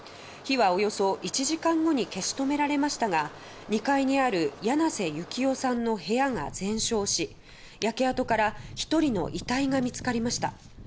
火はおよそ１時間後に消し止められましたが２階にある簗瀬幸夫さんの部屋が全焼し焼け跡から１人の遺体が見つかりました。